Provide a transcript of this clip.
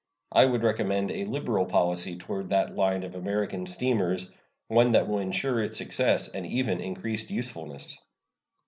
I would recommend a liberal policy toward that line of American steamers one that will insure its success, and even increased usefulness.